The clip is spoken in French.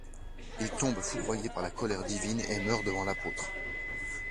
Ils tombent foudroyés par la colère divine et meurent devant l'apôtre.